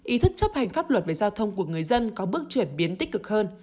ý thức chấp hành pháp luật về giao thông của người dân có bước chuyển biến tích cực hơn